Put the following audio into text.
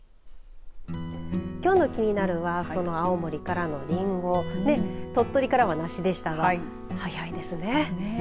きょうのキニナル！はその青森からのリンゴ鳥取からは梨でしたが早いですね。